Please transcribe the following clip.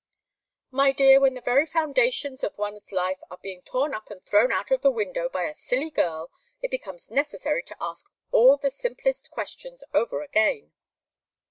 "My dear, when the very foundations of one's life are being torn up and thrown out of the window by a silly girl, it becomes necessary to ask all the simplest questions over again."